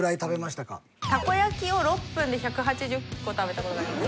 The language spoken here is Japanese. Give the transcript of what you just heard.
たこ焼きを６分で１８０個食べた事があります。